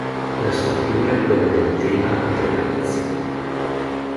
La struttura è quella del “tema con tre variazioni”.